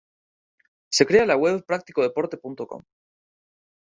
Se crea la web practicodeporte.com.